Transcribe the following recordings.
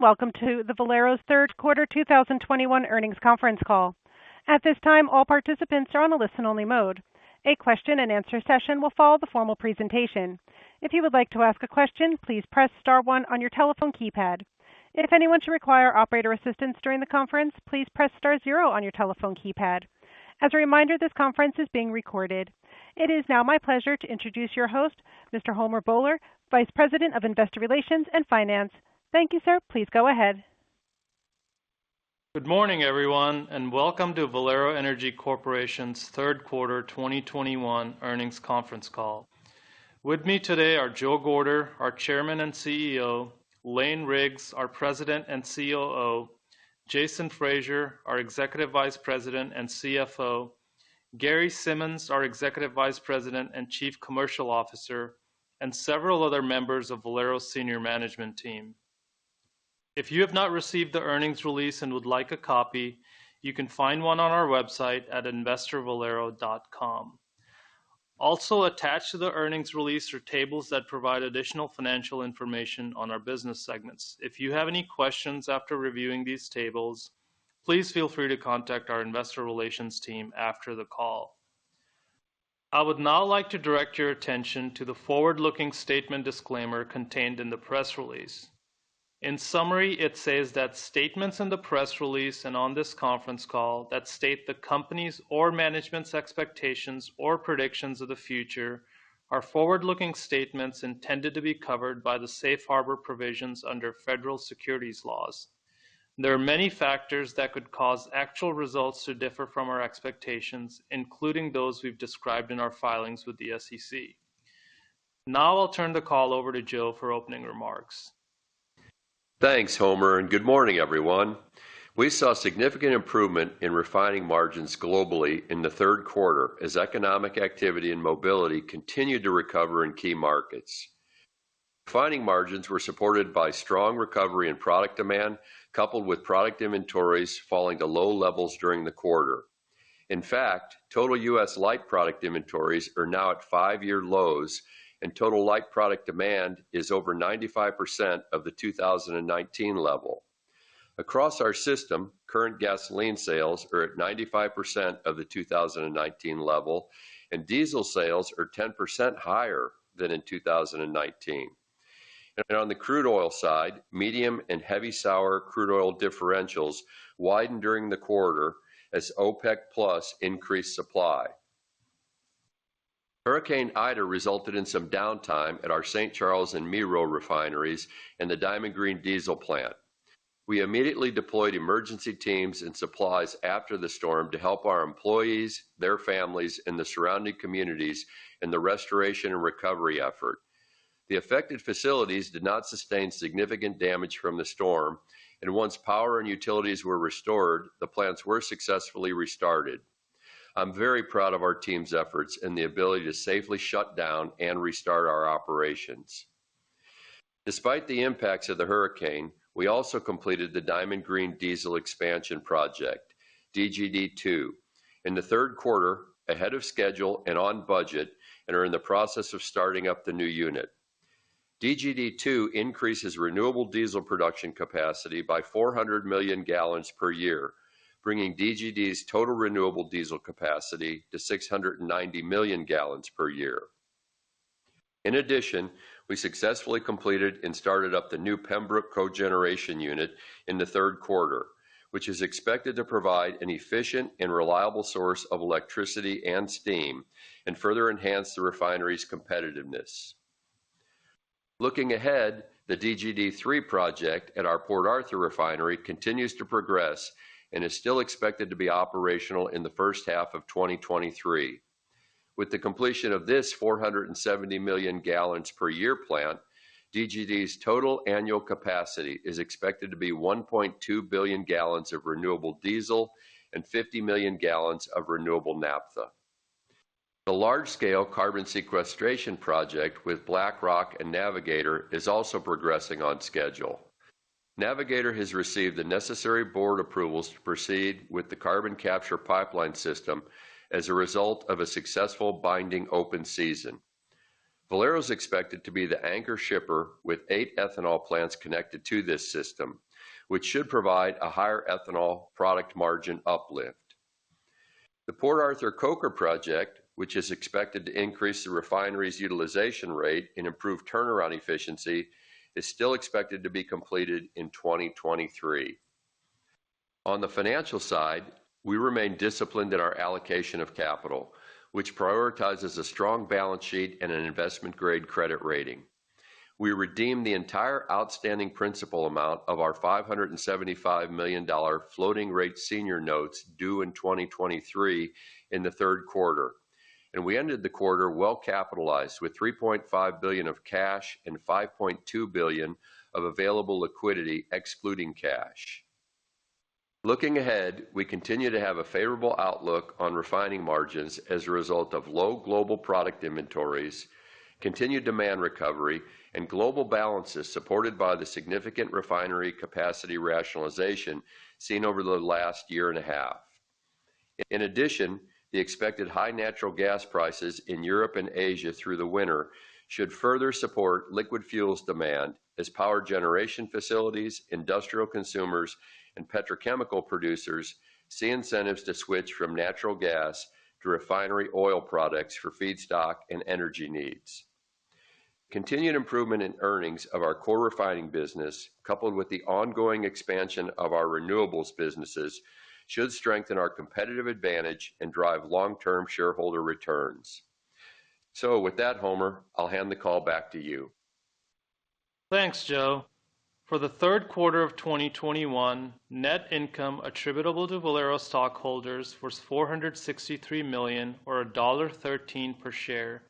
Welcome to the Valero third quarter 2021 earnings conference call. At this time, all participants are on the listen-only mode. A question-and-answer session will follow the formal presentation. If you would like to ask a question, please press star one on your telephone keypad. If anyone should require operator assistance during the conference, please press star zero on your telephone keypad. As a reminder, this conference is been recorded. It is now my pleasure to introduce your host, Mr. Homer Bhullar, Vice President of Investor Relations and Finance. Thank you, sir. Please go ahead. Good morning, everyone, and welcome to Valero Energy Corporation's third quarter 2021 earnings conference call. With me today are Joe Gorder, our Chairman and CEO, Lane Riggs, our President and COO, Jason Fraser, our Executive Vice President and CFO, Gary Simmons, our Executive Vice President and Chief Commercial Officer, and several other members of Valero senior management team. If you have not received the earnings release and would like a copy, you can find one on our website at investorvalero.com. Also attached to the earnings release are tables that provide additional financial information on our business segments. If you have any questions after reviewing these tables, please feel free to contact our investor relations team after the call. I would now like to direct your attention to the forward-looking statement disclaimer contained in the press release. In summary, it says that statements in the press release and on this conference call that state the company's or management's expectations or predictions of the future are forward-looking statements intended to be covered by the safe harbor provisions under federal securities laws. There are many factors that could cause actual results to differ from our expectations, including those we've described in our filings with the SEC. Now I'll turn the call over to Joe for opening remarks. Thanks, Homer. Good morning, everyone. We saw significant improvement in refining margins globally in the third quarter as economic activity and mobility continued to recover in key markets. Refining margins were supported by strong recovery in product demand, coupled with product inventories falling to low levels during the quarter. In fact, total U.S. light product inventories are now at five-year lows, and total light product demand is over 95% of the 2019 level. Across our system, current gasoline sales are at 95% of the 2019 level, and diesel sales are 10% higher than in 2019. On the crude oil side, medium and heavy sour crude oil differentials widened during the quarter as OPEC plus increased supply. Hurricane Ida resulted in some downtime at our St. Charles and Meraux refineries and the Diamond Green Diesel plant. We immediately deployed emergency teams and supplies after the storm to help our employees, their families, and the surrounding communities in the restoration and recovery effort. The affected facilities did not sustain significant damage from the storm, and once power and utilities were restored, the plants were successfully restarted. I'm very proud of our team's efforts and the ability to safely shut down and restart our operations. Despite the impacts of the hurricane, we also completed the Diamond Green Diesel expansion project, DGD 2, in the third quarter ahead of schedule and on budget, and are in the process of starting up the new unit. DGD 2 increases renewable diesel production capacity by 400 million gallons per year, bringing DGD's total renewable diesel capacity to 690 million gallons per year. In addition, we successfully completed and started up the new Pembroke cogeneration unit in the third quarter, which is expected to provide an efficient and reliable source of electricity and steam and further enhance the refinery's competitiveness. Looking ahead, the DGD3 project at our Port Arthur refinery continues to progress and is still expected to be operational in the first half of 2023. With the completion of this 470 million gallons per year plant, DGD's total annual capacity is expected to be 1.2 billion gallons of renewable diesel and 50 million gallons of renewable naphtha. The large-scale carbon sequestration project with BlackRock and Navigator is also progressing on schedule. Navigator has received the necessary board approvals to proceed with the carbon capture pipeline system as a result of a successful binding open season. Valero is expected to be the anchor shipper with eight ethanol plants connected to this system, which should provide a higher ethanol product margin uplift. The Port Arthur coker project, which is expected to increase the refinery's utilization rate and improve turnaround efficiency, is still expected to be completed in 2023. On the financial side, we remain disciplined in our allocation of capital, which prioritizes a strong balance sheet and an investment-grade credit rating. We redeemed the entire outstanding principal amount of our $575 million floating rate senior notes due in 2023 in the third quarter, and we ended the quarter well-capitalized with $3.5 billion of cash and $5.2 billion of available liquidity excluding cash. Looking ahead, we continue to have a favorable outlook on refining margins as a result of low global product inventories, continued demand recovery, and global balances supported by the significant refinery capacity rationalization seen over the last year and a half. In addition, the expected high natural gas prices in Europe and Asia through the winter should further support liquid fuels demand as power generation facilities, industrial consumers, and petrochemical producers see incentives to switch from natural gas to refinery oil products for feedstock and energy needs. Continued improvement in earnings of our core refining business, coupled with the ongoing expansion of our renewables businesses, should strengthen our competitive advantage and drive long-term shareholder returns. With that, Homer, I'll hand the call back to you. Thanks, Joe. For the third quarter of 2021, net income attributable to Valero stockholders was $463 million, or $1.13 per share,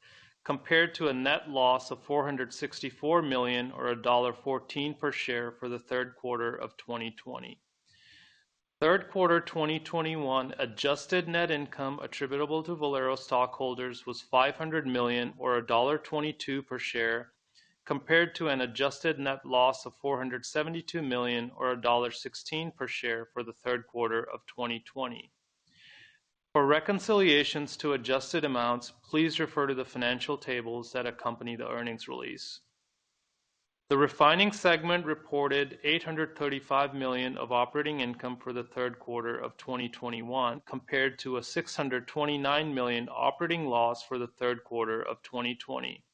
compared to a net loss of $464 million, or $1.14 per share for the third quarter of 2020. Third quarter 2021 adjusted net income attributable to Valero stockholders was $500 million, or $1.22 per share, compared to an adjusted net loss of $472 million, or $1.16 per share for the third quarter of 2020. For reconciliations to adjusted amounts, please refer to the financial tables that accompany the earnings release. The refining segment reported $835 million of operating income for the third quarter of 2021, compared to a $629 million operating loss for the third quarter of 2020.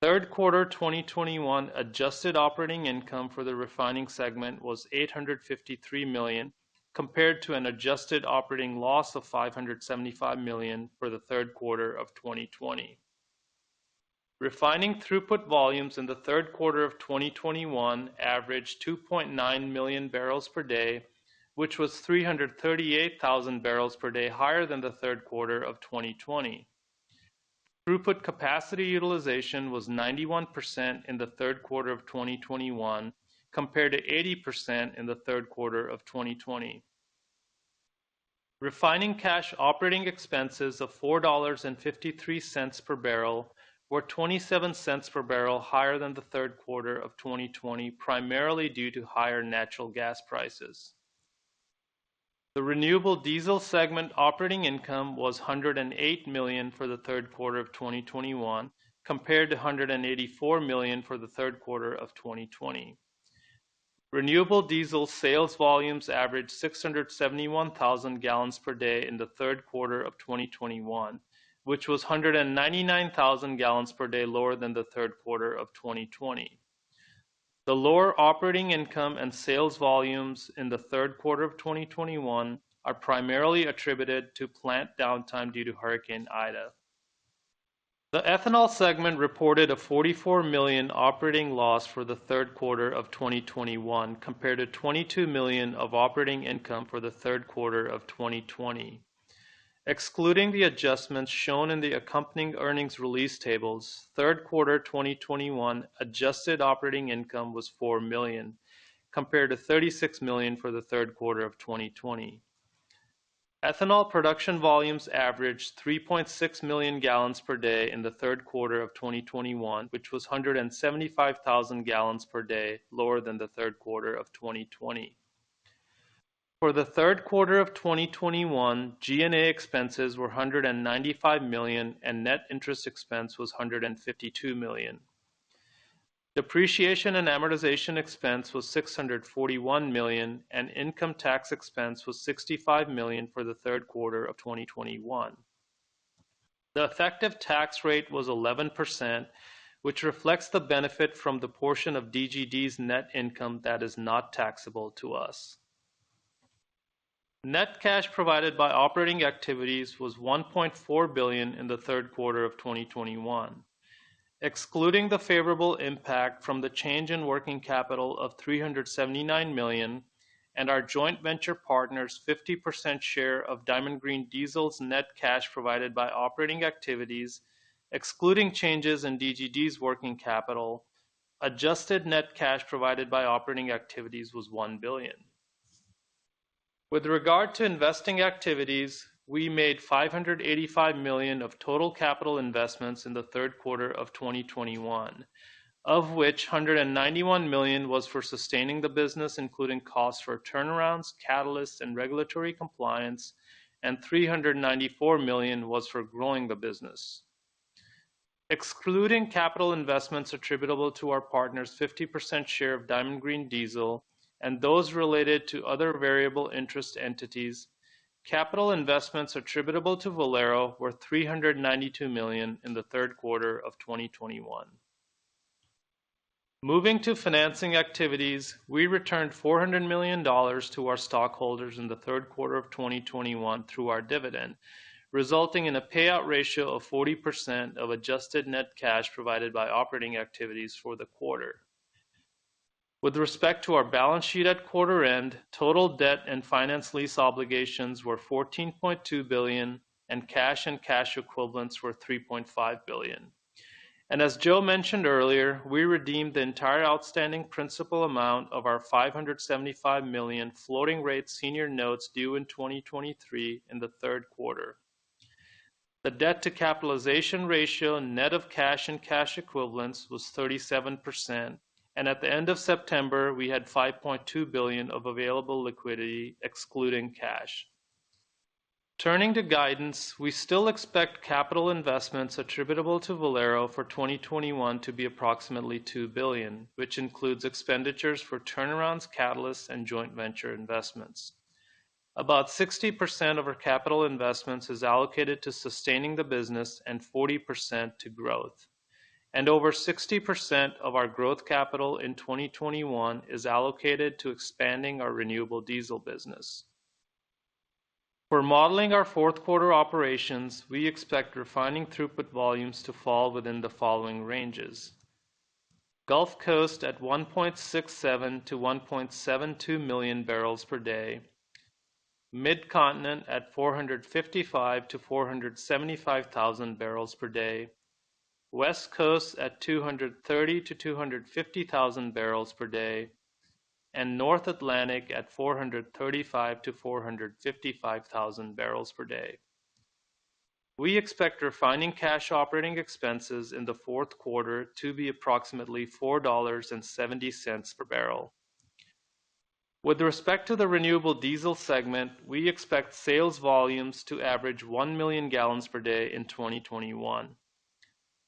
Third quarter 2021 adjusted operating income for the refining segment was $853 million, compared to an adjusted operating loss of $575 million for the third quarter of 2020. Refining throughput volumes in the third quarter of 2021 averaged 2.9 million barrels per day, which was 338,000 barrels per day higher than the third quarter of 2020. Throughput capacity utilization was 91% in the third quarter of 2021, compared to 80% in the third quarter of 2020. Refining cash operating expenses of $4.53 per barrel were $0.27 per barrel higher than the third quarter of 2020, primarily due to higher natural gas prices. The renewable diesel segment operating income was $108 million for the third quarter of 2021, compared to $184 million for the third quarter of 2020. renewable diesel sales volumes averaged 671,000 gallons per day in the third quarter of 2021, which was 199,000 gallons per day lower than the third quarter of 2020. The lower operating income and sales volumes in the third quarter of 2021 are primarily attributed to plant downtime due to Hurricane Ida. The ethanol segment reported a $44 million operating loss for the third quarter of 2021, compared to $22 million of operating income for the third quarter of 2020. Excluding the adjustments shown in the accompanying earnings release tables, third quarter 2021 adjusted operating income was $4 million, compared to $36 million for the third quarter of 2020. Ethanol production volumes averaged 3.6 million gallons per day in the third quarter of 2021, which was 175,000 gallons per day lower than the third quarter of 2020. For the third quarter of 2021, G&A expenses were $195 million, and net interest expense was $152 million. Depreciation and amortization expense was $641 million, and income tax expense was $65 million for the third quarter of 2021. The effective tax rate was 11%, which reflects the benefit from the portion of DGD's net income that is not taxable to us. Net cash provided by operating activities was $1.4 billion in Q3 2021. Excluding the favorable impact from the change in working capital of $379 million and our joint venture partner's 50% share of Diamond Green Diesel's net cash provided by operating activities, excluding changes in DGD's working capital, adjusted net cash provided by operating activities was $1 billion. With regard to investing activities, we made $585 million of total capital investments in Q3 2021, of which $191 million was for sustaining the business, including costs for turnarounds, catalysts, and regulatory compliance, and $394 million was for growing the business. Excluding capital investments attributable to our partner's 50% share of Diamond Green Diesel and those related to other variable interest entities, capital investments attributable to Valero were $392 million in Q3 2021. Moving to financing activities, we returned $400 million to our stockholders in the third quarter of 2021 through our dividend, resulting in a payout ratio of 40% of adjusted net cash provided by operating activities for the quarter. With respect to our balance sheet at quarter end, total debt and finance lease obligations were $14.2 billion, and cash and cash equivalents were $3.5 billion. As Joe mentioned earlier, we redeemed the entire outstanding principal amount of our $575 million floating rate senior notes due in 2023 in the third quarter. The debt to capitalization ratio, net of cash and cash equivalents, was 37%, and at the end of September, we had $5.2 billion of available liquidity excluding cash. Turning to guidance, we still expect capital investments attributable to Valero for 2021 to be approximately $2 billion, which includes expenditures for turnarounds, catalysts, and joint venture investments. About 60% of our capital investments is allocated to sustaining the business and 40% to growth. Over 60% of our growth capital in 2021 is allocated to expanding our renewable diesel business. For modeling our fourth quarter operations, we expect refining throughput volumes to fall within the following ranges: Gulf Coast at 1.67 million-1.72 million barrels per day, Mid-Continent at 455,000-475,000 barrels per day, West Coast at 230,000-250,000 barrels per day, and North Atlantic at 435,000-455,000 barrels per day. We expect refining cash operating expenses in the fourth quarter to be approximately $4.70 per barrel. With respect to the renewable diesel segment, we expect sales volumes to average 1 million gallons per day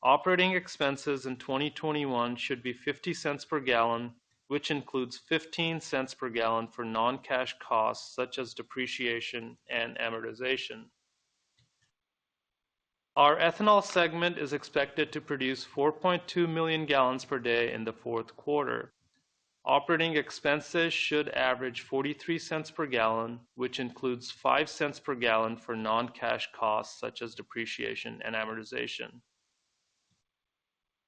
in 2021. Operating expenses in 2021 should be $0.50 per gallon, which includes $0.15 per gallon for non-cash costs such as depreciation and amortization. Our ethanol segment is expected to produce 4.2 million gallons per day in the fourth quarter. Operating expenses should average $0.43 per gallon, which includes $0.05 per gallon for non-cash costs such as depreciation and amortization.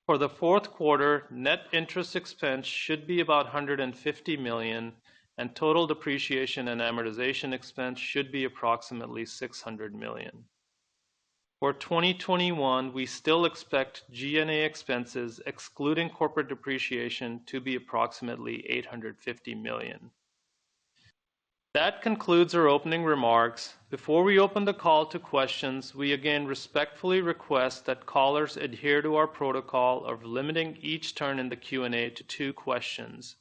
For the fourth quarter, net interest expense should be about $150 million, and total depreciation and amortization expense should be approximately $600 million. For 2021, we still expect G&A expenses excluding corporate depreciation to be approximately $850 million. That concludes our opening remarks. Before we open the call to questions, we again respectfully request that callers adhere to our protocol of limiting each turn in the Q&A to two questions.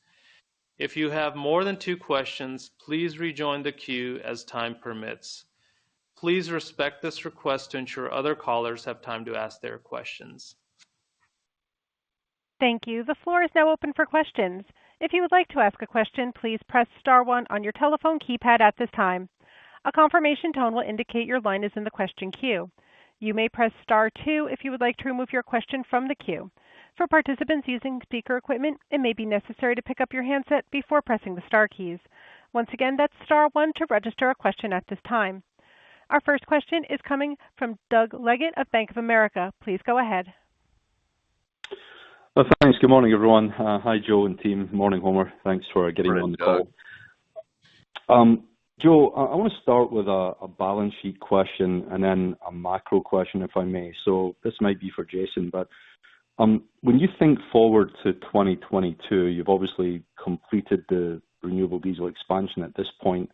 If you have more than two questions, please rejoin the queue as time permits. Please respect this request to ensure other callers have time to ask their questions. Thank you. The floor is now open for questions. If you would like to ask a question, please press star one on your telephone keypad at this time. A confirmation tone will indicate your line is in the question queue. You may press star two if you would like to remove your question from the queue. For participants using speaker equipment, it may be necessary to pick up your handset before pressing the star keys. Once again, that's star one to register a question at this time. Our first question is coming from Doug Leggate of Bank of America. Please go ahead. Thanks. Good morning, everyone. Hi, Joe and team. Morning, Homer. Thanks for getting on the call. Morning, Doug. Joe, I want to start with a balance sheet question and then a macro question, if I may. This might be for Jason, but when you think forward to 2022, you've obviously completed the renewable diesel expansion at this point.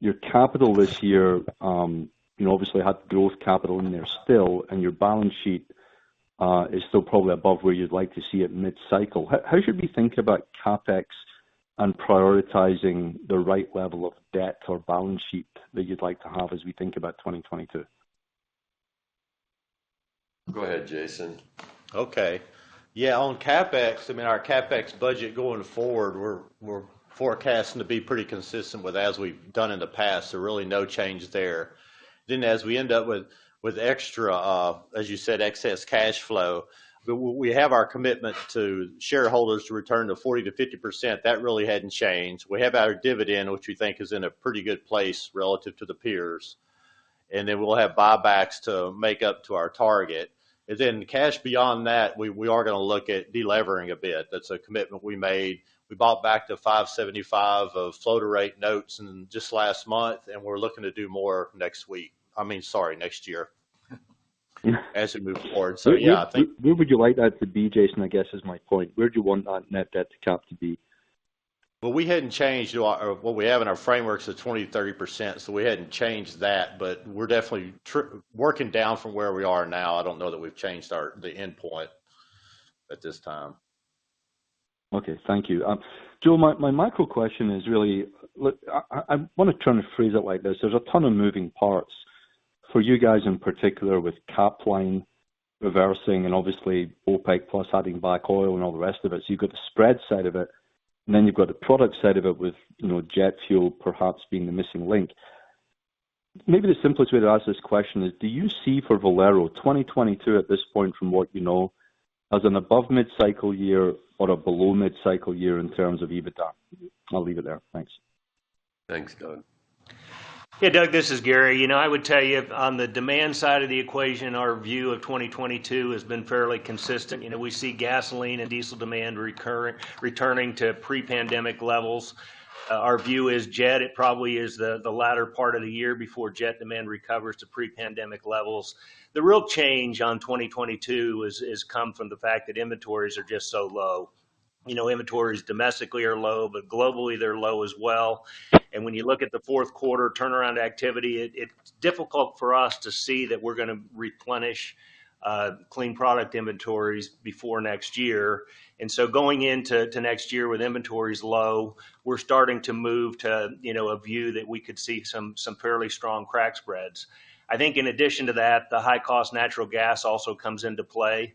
Your capital this year obviously had growth capital in there still, and your balance sheet is still probably above where you'd like to see it mid-cycle. How should we think about CapEx and prioritizing the right level of debt or balance sheet that you'd like to have as we think about 2022? Go ahead, Jason. Okay. Yeah, on CapEx, our CapEx budget going forward, we're forecasting to be pretty consistent with as we've done in the past. Really no change there. As we end up with extra, as you said, excess cash flow, we have our commitment to shareholders to return 40%-50%. That really hadn't changed. We have our dividend, which we think is in a pretty good place relative to the peers. We'll have buybacks to make up to our target. Cash beyond that, we are going to look at de-levering a bit. That's a commitment we made. We bought back the $575 million of floater rate notes just last month. We're looking to do more next week. I mean, sorry, next year as we move forward. Where would you like that to be, Jason, I guess is my point? Where do you want that net debt to cap to be? Well, we haven't changed what we have in our frameworks of 20%-30%, so we haven't changed that, but we're definitely working down from where we are now. I don't know that we've changed the endpoint at this time. Okay, thank you. Joe, my macro question is really, I want to try and phrase it like this. There's a ton of moving parts for you guys in particular with Capline reversing and obviously OPEC plus adding back oil and all the rest of it. You've got the spread side of it, and then you've got the product side of it with jet fuel perhaps being the missing link. Maybe the simplest way to ask this question is, do you see for Valero 2022 at this point from what you know as an above mid-cycle year or a below mid-cycle year in terms of EBITDA? I'll leave it there. Thanks. Thanks, Doug. Yeah, Doug, this is Gary. I would tell you on the demand side of the equation, our view of 2022 has been fairly consistent. We see gasoline and diesel demand returning to pre-pandemic levels. Our view is jet, it probably is the latter part of the year before jet demand recovers to pre-pandemic levels. The real change on 2022 has come from the fact that inventories are just so low. Inventories domestically are low, but globally they're low as well. When you look at the fourth quarter turnaround activity, it's difficult for us to see that we're going to replenish clean product inventories before next year. Going into next year with inventories low, we're starting to move to a view that we could see some fairly strong crack spreads. I think in addition to that, the high cost natural gas also comes into play.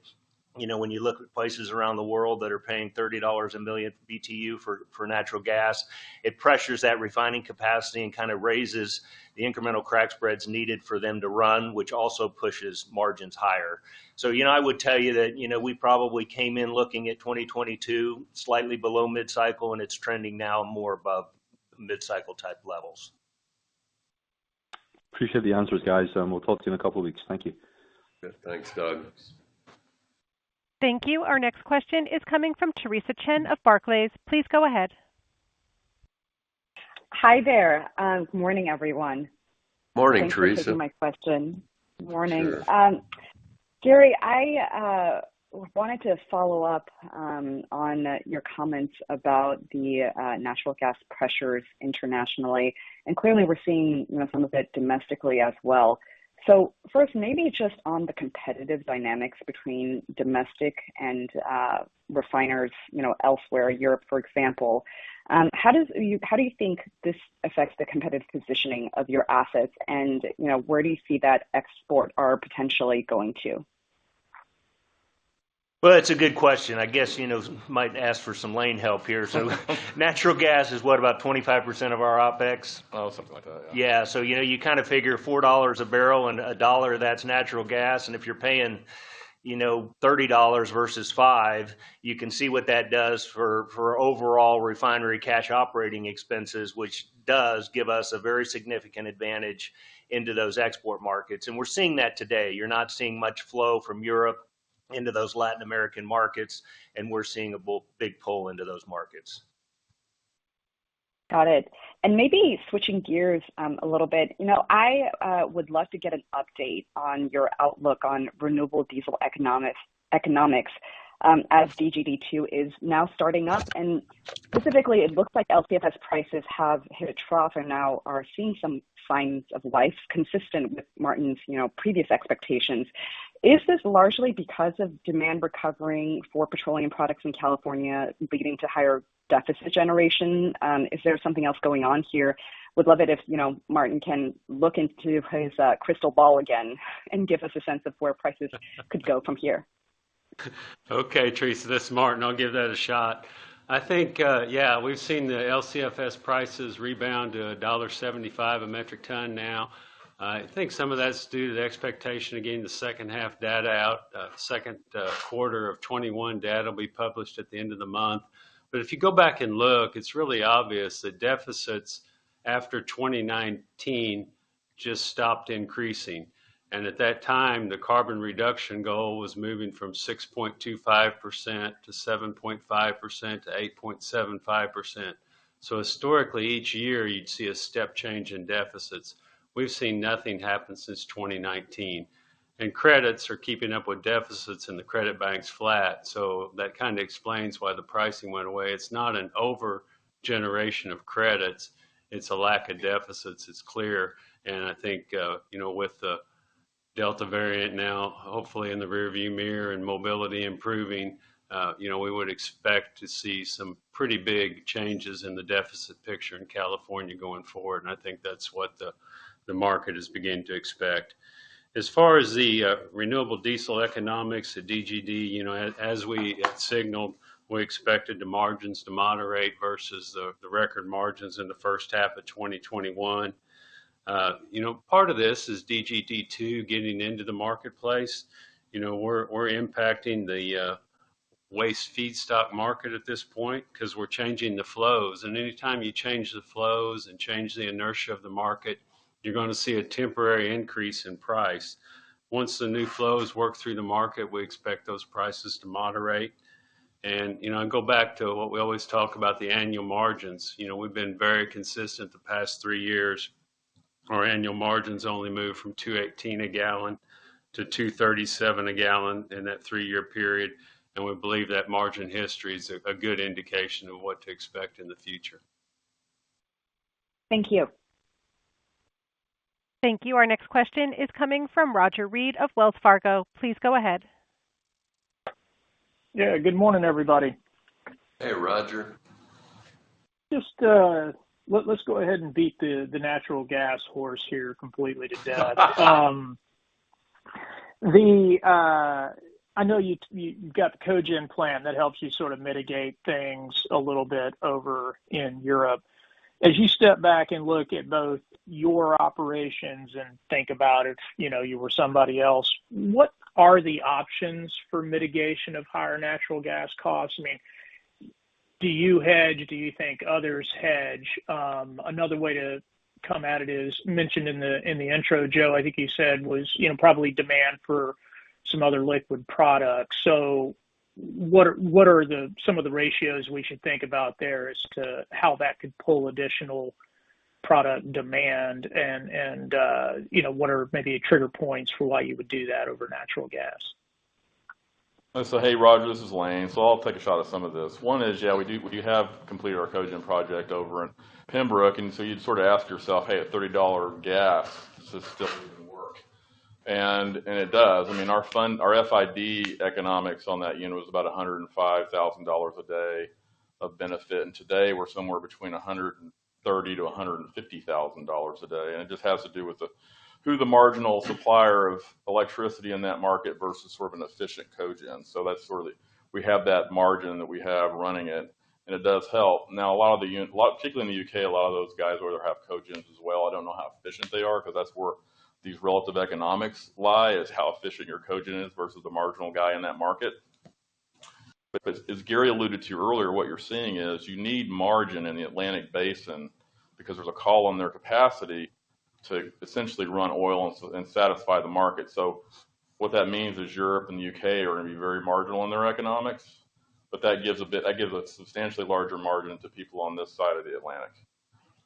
You look at places around the world that are paying $30 a million BTU for natural gas, it pressures that refining capacity and kind of raises the incremental crack spreads needed for them to run, which also pushes margins higher. I would tell you that we probably came in looking at 2022 slightly below mid-cycle, and it's trending now more above mid-cycle type levels. Appreciate the answers, guys. We'll talk to you in a couple of weeks. Thank you. Yeah. Thanks, Doug. Thank you. Our next question is coming from Theresa Chen of Barclays. Please go ahead. Hi there. Morning, everyone. Morning, Theresa. Thanks for taking my question. Morning. Sure. Gary, I wanted to follow up on your comments about the natural gas pressures internationally. Clearly we're seeing some of it domestically as well. First, maybe just on the competitive dynamics between domestic and refiners elsewhere, Europe for example. How do you think this affects the competitive positioning of your assets and where do you see that export arc potentially going to? Well, that's a good question. I guess, might ask for some Lane help here. Natural gas is what? About 25% of our OpEx? Oh, something like that, yeah. Yeah. You kind of figure $4 a barrel and $1 that's natural gas. If you're paying $30 versus $5, you can see what that does for overall refinery cash operating expenses, which does give us a very significant advantage into those export markets. We're seeing that today. You're not seeing much flow from Europe into those Latin American markets, and we're seeing a big pull into those markets. Got it. Maybe switching gears a little bit. I would love to get an update on your outlook on renewable diesel economics as DGD 2 is now starting up, and specifically it looks like LCFS prices have hit a trough and now are seeing some signs of life consistent with Martin's previous expectations. Is this largely because of demand recovering for petroleum products in California beginning to higher deficit generation? Is there something else going on here? Would love it if Martin can look into his crystal ball again and give us a sense of where prices could go from here. Okay, Theresa. This is Martin. I'll give that a shot. I think, yeah, we've seen the LCFS prices rebound to $1.75 a metric ton now. I think some of that's due to the expectation of getting the second half data out. Second quarter of 2021 data will be published at the end of the month. If you go back and look, it's really obvious the deficits after 2019 just stopped increasing. At that time, the carbon reduction goal was moving from 6.25% to 7.5% to 8.75%. Historically, each year you'd see a step change in deficits. We've seen nothing happen since 2019. Credits are keeping up with deficits and the credit bank's flat. That kind of explains why the pricing went away. It's not an over generation of credits, it's a lack of deficits. It's clear. I think with the Delta variant now hopefully in the rear view mirror and mobility improving, we would expect to see some pretty big changes in the deficit picture in California going forward. I think that's what the market is beginning to expect. As far as the renewable diesel economics at DGD, as we had signaled, we expected the margins to moderate versus the record margins in the first half of 2021. Part of this is DGD 2 getting into the marketplace. We're impacting the waste feedstock market at this point because we're changing the flows. Any time you change the flows and change the inertia of the market, you're going to see a temporary increase in price. Once the new flows work through the market, we expect those prices to moderate. Go back to what we always talk about, the annual margins. We've been very consistent the past three years. Our annual margins only moved from $2.18 a gallon to $2.37 a gallon in that three-year period, and we believe that margin history is a good indication of what to expect in the future. Thank you. Thank you. Our next question is coming from Roger Read of Wells Fargo. Please go ahead. Yeah. Good morning, everybody. Hey, Roger. Just let's go ahead and beat the natural gas horse here completely to death. I know you've got the cogen plant that helps you sort of mitigate things a little bit over in Europe. As you step back and look at both your operations and think about if you were somebody else, what are the options for mitigation of higher natural gas costs? I mean, do you hedge? Do you think others hedge? Another way to come at it is mentioned in the intro, Joe, I think you said was probably demand for some other liquid products. What are some of the ratios we should think about there as to how that could pull additional product demand and what are maybe trigger points for why you would do that over natural gas? Hey, Roger, this is Lane. I'll take a shot at some of this. One is, yeah, we have completed our cogen project over in Pembroke, you'd sort of ask yourself, "Hey, at $30 gas, does this still even work?" It does. Our FID economics on that unit was about $105,000 a day of benefit. Today we're somewhere between $130,000-$150,000 a day, it just has to do with who the marginal supplier of electricity in that market versus sort of an efficient cogen. That's sort of the margin that we have running it does help. Particularly in the U.K., a lot of those guys over there have cogens as well. I don't know how efficient they are because that's where these relative economics lie, is how efficient your cogen is versus the marginal guy in that market. As Gary alluded to earlier, what you're seeing is you need margin in the Atlantic Basin because there's a call on their capacity to essentially run oil and satisfy the market. What that means is Europe and the U.K. are going to be very marginal in their economics, but that gives a substantially larger margin to people on this side of the Atlantic.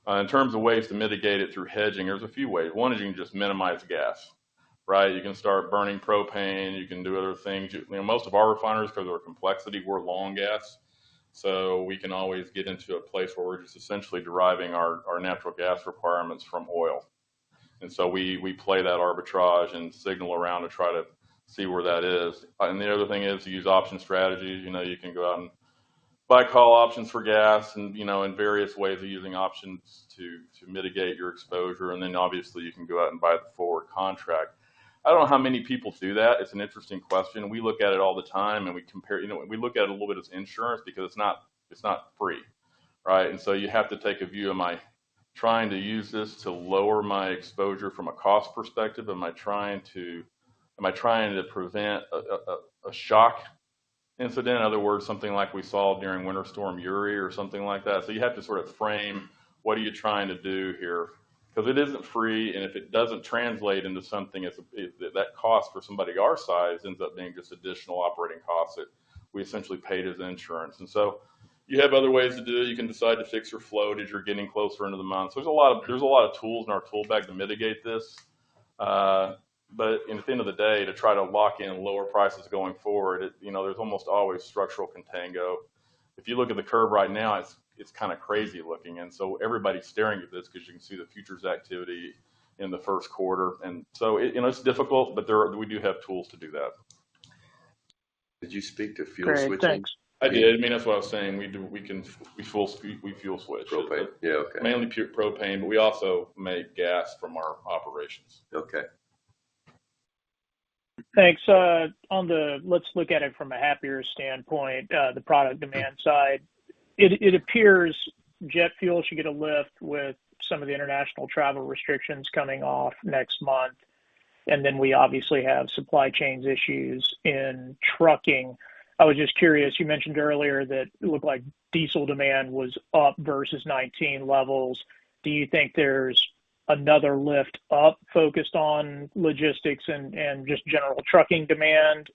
In terms of ways to mitigate it through hedging, there's a few ways. One is you can just minimize gas. You can start burning propane. You can do other things. Most of our refineries, because of their complexity, we're long gas. We can always get into a place where we're just essentially deriving our natural gas requirements from oil. We play that arbitrage and signal around to try to see where that is. The other thing is to use option strategies. You can go out and buy call options for gas and various ways of using options to mitigate your exposure. Obviously you can go out and buy the forward contract. I don't know how many people do that. It's an interesting question. We look at it all the time. We look at it a little bit as insurance because it's not free. You have to take a view, am I trying to use this to lower my exposure from a cost perspective? Am I trying to prevent a shock incident? In other words, something like we saw during Winter Storm Uri or something like that. You have to sort of frame what are you trying to do here? It isn't free, and if it doesn't translate into something, that cost for somebody our size ends up being just additional operating costs that we essentially paid as insurance. You have other ways to do it. You can decide to fix or float as you're getting closer into the month. There's a lot of tools in our tool bag to mitigate this. At the end of the day, to try to lock in lower prices going forward, there's almost always structural contango. If you look at the curve right now, it's kind of crazy looking. Everybody's staring at this because you can see the futures activity in the first quarter. It's difficult, but we do have tools to do that. Did you speak to fuel switching? I did. That's what I was saying. We fuel switch. Propane? Yeah, okay. Mainly pure propane, but we also make gas from our operations. Okay. Thanks. Let's look at it from a happier standpoint, the product demand side. It appears jet fuel should get a lift with some of the international travel restrictions coming off next month, we obviously have supply chain issues in trucking. I was just curious, you mentioned earlier that it looked like diesel demand was up versus '19 levels. Do you think there's another lift up focused on logistics and just general trucking demand?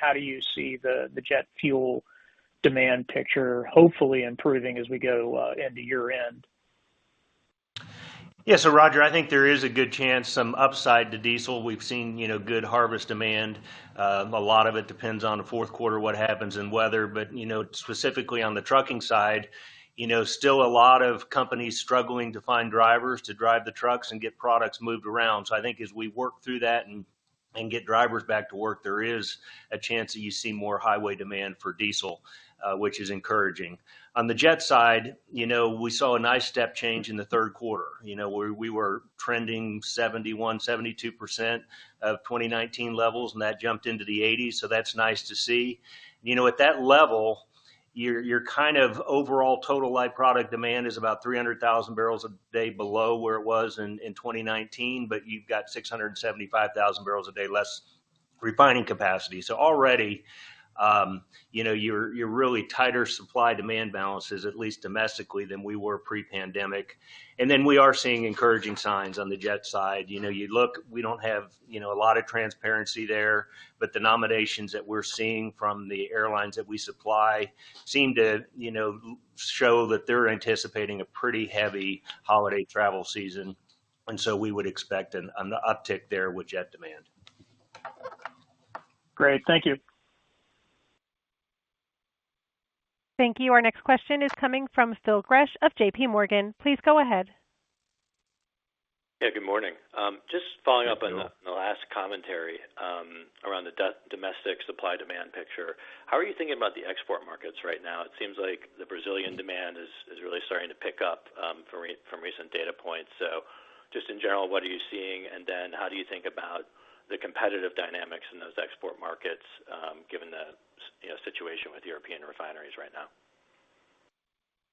How do you see the jet fuel demand picture hopefully improving as we go into year-end? Yeah. Roger, I think there is a good chance some upside to diesel. We've seen good harvest demand. A lot of it depends on the fourth quarter, what happens in weather. Specifically on the trucking side, still a lot of companies struggling to find drivers to drive the trucks and get products moved around. I think as we work through that and get drivers back to work, there is a chance that you see more highway demand for diesel, which is encouraging. On the jet side, we saw a nice step change in the third quarter. We were trending 71%, 72% of 2019 levels, and that jumped into the 80s, that's nice to see. At that level, your kind of overall total light product demand is about 300,000 barrels a day below where it was in 2019. You've got 675,000 barrels a day less refining capacity. Already you're really tighter supply-demand balances, at least domestically, than we were pre-pandemic. We are seeing encouraging signs on the jet side. You look, we don't have a lot of transparency there. The nominations that we're seeing from the airlines that we supply seem to show that they're anticipating a pretty heavy holiday travel season. We would expect an uptick there with jet demand. Great. Thank you. Thank you. Our next question is coming from Phil Gresh of JPMorgan. Please go ahead. Yeah, good morning. Just following up. Good morning. On the last commentary around the domestic supply-demand picture, how are you thinking about the export markets right now? It seems like the Brazilian demand is really starting to pick up from recent data points. Just in general, what are you seeing, and then how do you think about the competitive dynamics in those export markets given the situation with European refineries right now?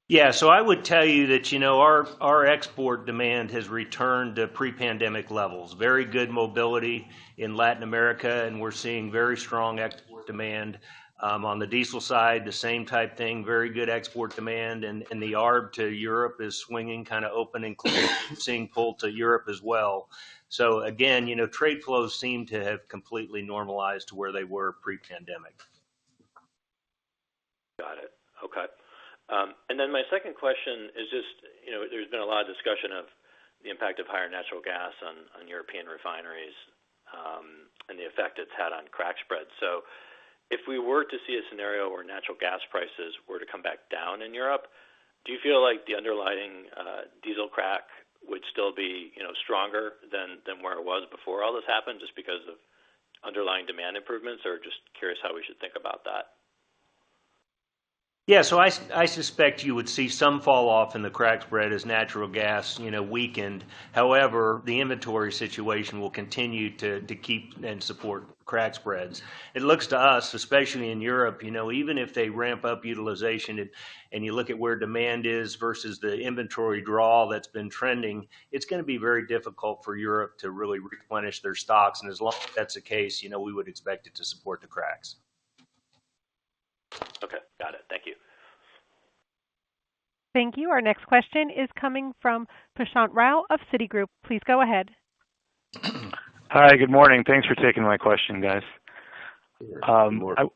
Yeah. I would tell you that our export demand has returned to pre-pandemic levels. Very good mobility in Latin America, and we're seeing very strong export demand. On the diesel side, the same type thing, very good export demand, and the arb to Europe is swinging kind of open and closed, seeing pull to Europe as well. Again, trade flows seem to have completely normalized to where they were pre-pandemic. Okay. My second question is just, there's been a lot of discussion of the impact of higher natural gas on European refineries, and the effect it's had on crack spreads. If we were to see a scenario where natural gas prices were to come back down in Europe, do you feel like the underlying diesel crack would still be stronger than where it was before all this happened, just because of underlying demand improvements? Just curious how we should think about that. Yeah. I suspect you would see some fall off in the crack spread as natural gas weakened. However, the inventory situation will continue to keep and support crack spreads. It looks to us, especially in Europe, even if they ramp up utilization and you look at where demand is versus the inventory draw that's been trending, it's going to be very difficult for Europe to really replenish their stocks. As long as that's the case, we would expect it to support the cracks. Okay. Got it. Thank you. Thank you. Our next question is coming from Prashant Rao of Citigroup. Please go ahead. Hi. Good morning. Thanks for taking my question, guys. Good morning.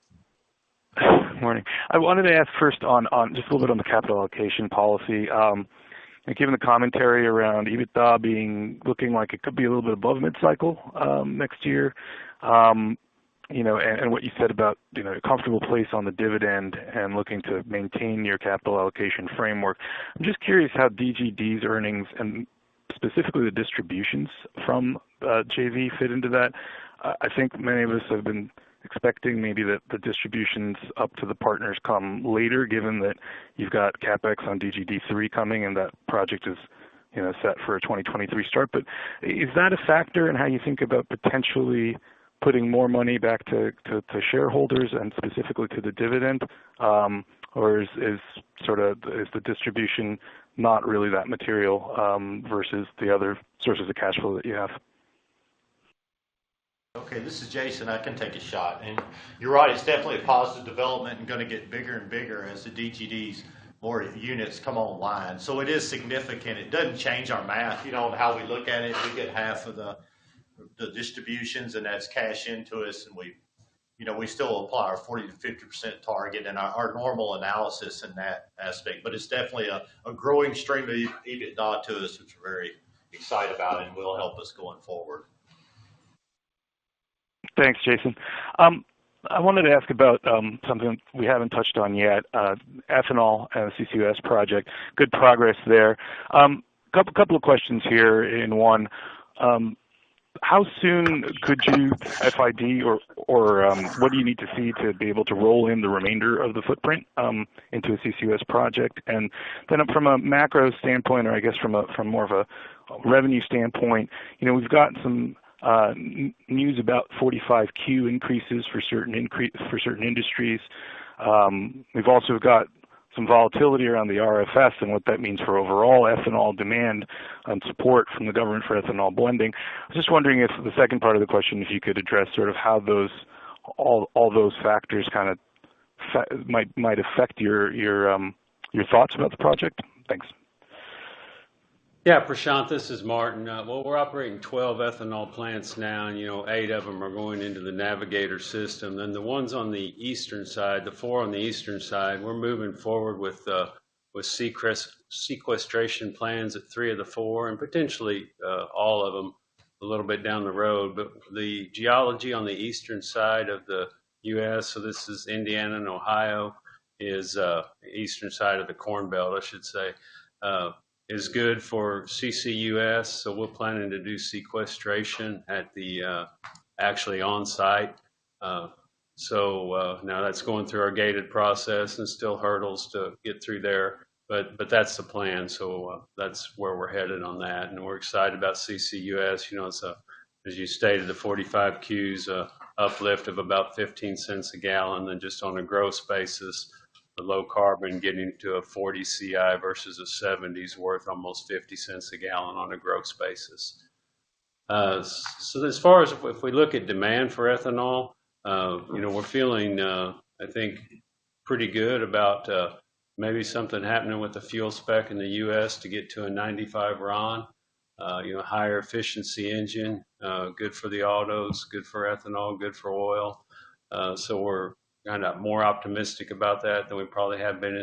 Morning. I wanted to ask first on, just a little bit on the capital allocation policy. Given the commentary around EBITDA looking like it could be a little bit above mid-cycle next year, and what you said about a comfortable place on the dividend and looking to maintain your capital allocation framework. I'm just curious how DGD's earnings and specifically the distributions from JV fit into that. I think many of us have been expecting maybe that the distributions up to the partners come later, given that you've got CapEx on DGD3 coming, and that project is set for a 2023 start. Is that a factor in how you think about potentially putting more money back to shareholders and specifically to the dividend? Is the distribution not really that material, versus the other sources of cash flow that you have? Okay. This is Jason. I can take a shot. You're right, it's definitely a positive development and going to get bigger and bigger as the DGD's more units come online. It is significant. It doesn't change our math or how we look at it. We get half of the distributions and that's cash in to us, and we still apply our 40%-50% target and our normal analysis in that aspect. It's definitely a growing stream of EBITDA to us, which we're very excited about and will help us going forward. Thanks, Jason. I wanted to ask about something we haven't touched on yet. ethanol and CCUS project. Good progress there. Couple of questions here in one. How soon could you FID or what do you need to see to be able to roll in the remainder of the footprint into a CCUS project? From a macro standpoint, or I guess from more of a revenue standpoint, we've gotten some news about 45Q increases for certain industries. We've also got some volatility around the RFS and what that means for overall ethanol demand and support from the government for ethanol blending. I was just wondering if, the second part of the question, if you could address how all those factors might affect your thoughts about the project? Thanks. Yeah, Prashant, this is Martin. Well, we're operating 12 ethanol plants now, and eight of them are going into the Navigator system. The ones on the eastern side, the four on the eastern side, we're moving forward with sequestration plans at three of the four, and potentially all of them a little bit down the road. The geology on the eastern side of the U.S., so this is Indiana and Ohio is, the eastern side of the Corn Belt, I should say, is good for CCUS. We're planning to do sequestration actually on-site. Now that's going through our gated process, and still hurdles to get through there. That's the plan. That's where we're headed on that, and we're excited about CCUS. As you stated, the 45Qs uplift of about $0.15 a gallon and just on a gross basis, the low carbon getting to a 40 CI versus a 70 is worth almost $0.50 a gallon on a gross basis. As far as if we look at demand for ethanol, we're feeling I think pretty good about maybe something happening with the fuel spec in the U.S. to get to a 95 RON. Higher efficiency engine, good for the autos, good for ethanol, good for oil. We're more optimistic about that than we probably have been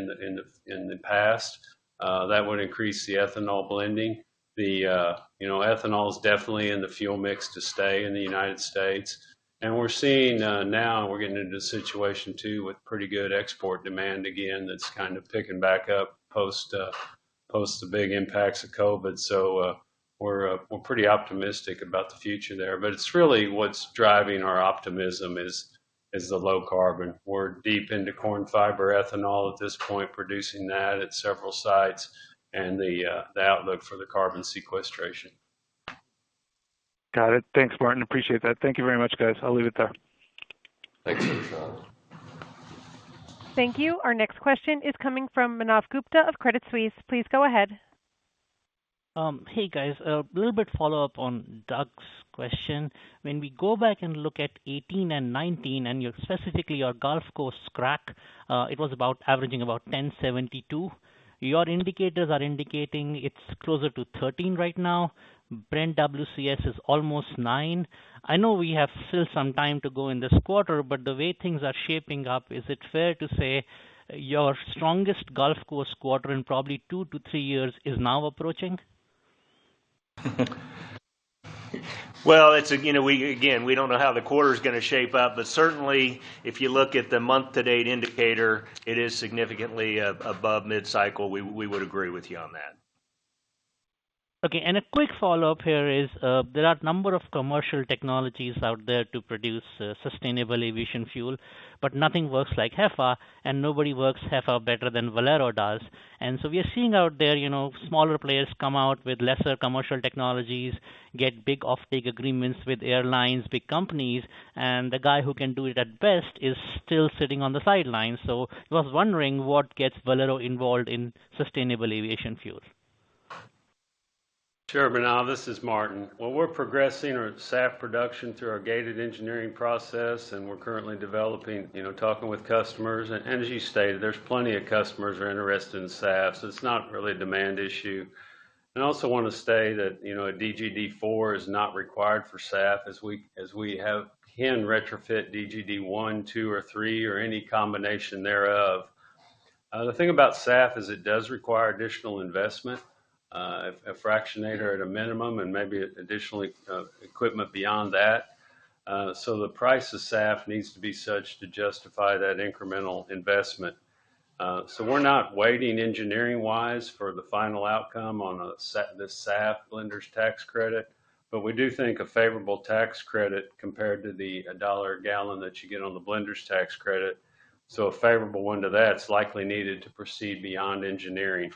in the past. That would increase the ethanol blending. Ethanol is definitely in the fuel mix to stay in the United States. We're seeing now we're getting into a situation too with pretty good export demand again, that's picking back up post the big impacts of COVID. We're pretty optimistic about the future there. It's really what's driving our optimism is the low carbon. We're deep into corn fiber ethanol at this point, producing that at several sites and the outlook for the carbon sequestration. Got it. Thanks, Martin. Appreciate that. Thank you very much, guys. I'll leave it there. Thanks, Prashant. Thank you. Our next question is coming from Manav Gupta of Credit Suisse. Please go ahead. Hey, guys. A little bit follow-up on Doug's question. When we go back and look at 2018 and 2019, and specifically your Gulf Coast crack, it was averaging about $10.72. Your indicators are indicating it's closer to $13.00 right now. Brent WCS is almost $9.00. I know we have still some time to go in this quarter. The way things are shaping up, is it fair to say your strongest Gulf Coast quarter in probably two to three years is now approaching? Well, again, we don't know how the quarter's going to shape up, but certainly if you look at the month-to-date indicator, it is significantly above mid-cycle. We would agree with you on that. Okay. A quick follow-up here is, there are a number of commercial technologies out there to produce sustainable aviation fuel, but nothing works like HEFA, and nobody works HEFA better than Valero does. We are seeing out there, smaller players come out with lesser commercial technologies, get big offtake agreements with airlines, big companies, and the guy who can do it at best is still sitting on the sidelines. I was wondering what gets Valero involved in sustainable aviation fuel? Sure, Manav, this is Martin. Well, we're progressing our SAF production through our gated engineering process, and we're currently developing, talking with customers. As you stated, there's plenty of customers who are interested in SAF, so it's not really a demand issue. I also want to state that a DGD 4 is not required for SAF, as we can retrofit DGD 1, 2, or 3, or any combination thereof. The thing about SAF is it does require additional investment. A fractionator at a minimum, and maybe additional equipment beyond that. The price of SAF needs to be such to justify that incremental investment. We're not waiting engineering-wise for the final outcome on the SAF blenders' tax credit. We do think a favorable tax credit compared to the $1 a gallon that you get on the blenders' tax credit. A favorable one to that's likely needed to proceed beyond engineering.